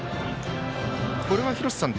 これは廣瀬さん